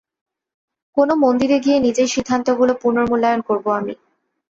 কোনো মন্দিরে গিয়ে নিজের সিদ্ধান্তগুলো পুনর্মূল্যায়ন করবো আমি।